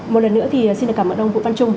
một lần nữa thì xin cảm ơn ông vũ văn trung